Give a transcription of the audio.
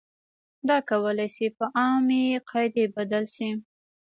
دا کولای شي په عامې قاعدې بدل شي.